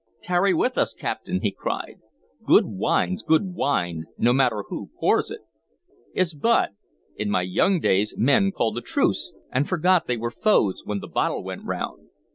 "Tarry with us, captain!" he cried. "Good wine's good wine, no matter who pours it! 'S bud! in my young days men called a truce and forgot they were foes when the bottle went round!"